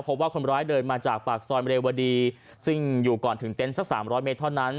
พบว่าคนร้ายเดินมาจากปากซอยเรวดีซึ่งอยู่ก่อนถึงเต็นต์สัก๓๐๐เมตรเท่านั้น